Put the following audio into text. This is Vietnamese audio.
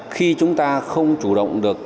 khi chúng ta không chủ động được